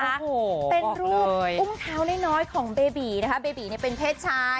เป็นรูปอุ้มเท้าน้อยของเบบีนะคะเบบีเป็นเพชรชาย